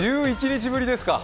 １１日ぶりですか。